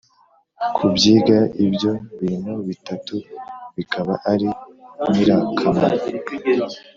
kubyiga ibyo bintu bitatu bikaba ari inirakamaro.